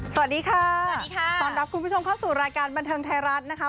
สวัสดีค่ะสวัสดีค่ะต้อนรับคุณผู้ชมเข้าสู่รายการบันเทิงไทยรัฐนะคะ